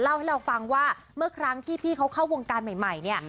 ให้เราฟังว่าเมื่อครั้งที่พี่เขาเข้าวงการใหม่เนี่ย